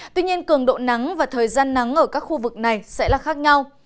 tuy nhiên cường độ nắng và thời gian nắng ở các khu vực này sẽ là khác nhau